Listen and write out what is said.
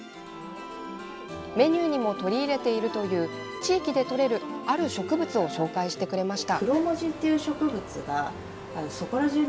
メニューにも取り入れているという地域で採れるある植物を紹介してくれました。